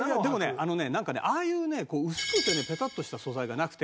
あのねなんかねああいうね薄くてペタッとした素材がなくて。